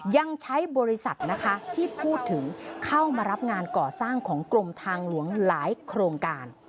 ยังใช้บริษัทนะคะที่พูดถึงเข้ามารับงานก่อสร้างของกรมทางหลวงหลายโครงการ